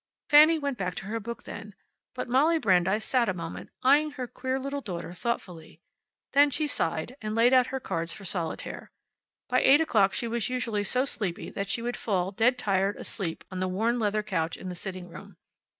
Fanny went back to her book then. But Molly Brandeis sat a moment, eyeing her queer little daughter thoughtfully. Then she sighed, and laid out her cards for solitaire. By eight o'clock she was usually so sleepy that she would fall, dead tired, asleep on the worn leather couch in the sitting room.